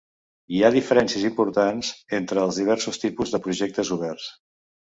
Hi ha diferències importants entre els diversos tipus de projectes oberts.